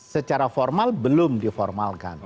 secara formal belum diformalkan